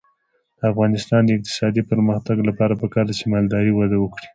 د افغانستان د اقتصادي پرمختګ لپاره پکار ده چې مالداري وده وکړي.